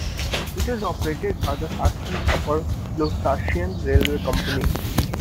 It is operated by the Saxon-Upper Lusatian Railway Company.